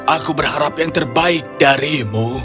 aku berharap yang terbaik darimu